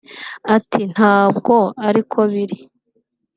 ati “Ntabwo ariko biri